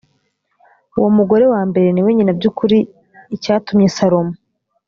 uwo mugore wa mbere ni we nyina by ukuri icyatumye salomo